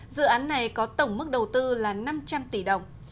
dự án này có tổng mức đầu tư là năm trăm linh tỷ đồng